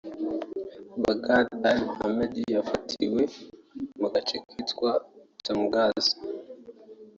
Baghdadi al-Mahmudi yafatiwe mu gace kitwa Tamaghza